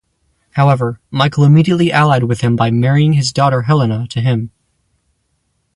However, Michael immediately allied with him by marrying his daughter Helena to him.